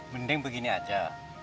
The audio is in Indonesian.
mending begini aja